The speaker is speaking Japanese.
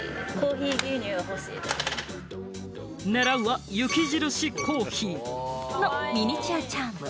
狙うは雪印コーヒーのミニチュアチャーム。